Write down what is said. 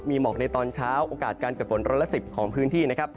มีหมอกในตอนเช้าโอกาสการเกิดฝนร้อยละ๑๐ของพื้นที่นะครับ